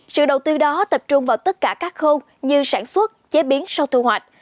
sự đầu tư đó tập trung vào tất cả các khâu như sản xuất chế biến sau thu hoạch